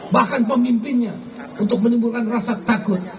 bahkan pemimpinnya untuk menimbulkan rasa takut